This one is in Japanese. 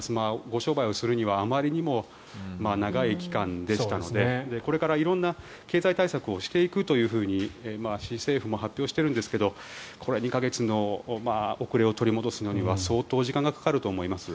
ご商売をするにはあまりにも長い期間でしたのでこれから色んな経済対策をしていくと市政府も発表しているんですがこれ、２か月の遅れを取り戻すのには相当時間がかかると思います。